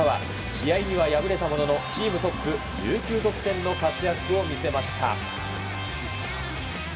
試合には敗れたもののチームトップ１９得点の活躍を見せました。